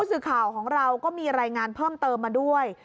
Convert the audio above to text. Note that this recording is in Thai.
สื่อข่าวของเราก็มีรายงานเพิ่มเติมมาด้วย